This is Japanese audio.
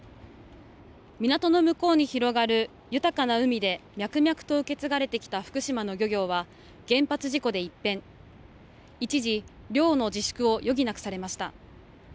港の向こうに広がる豊かな海で脈々と受け継がれてきた漁業は原発事故で一変一時、漁の自粛を余儀なくされました。